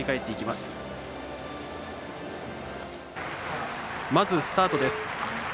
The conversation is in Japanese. まずスタートです。